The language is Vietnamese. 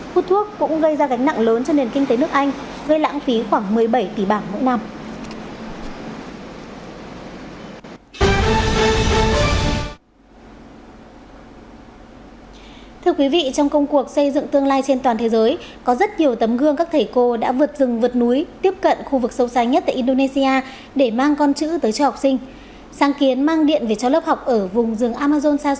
hút thuốc cũng gây ra gánh nặng lớn cho nền kinh tế nước anh gây lãng phí khoảng một mươi bảy tỷ bảng mỗi năm